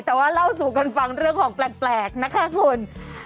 แต่ว่าเล่าสู่กันฟังเรื่องของแปลกนะคะคุณ